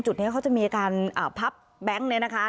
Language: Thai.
จุดนี้เขาจะมีการพับแบงค์เนี่ยนะคะ